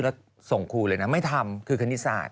แล้วส่งครูเลยนะไม่ทำคือคณิตศาสต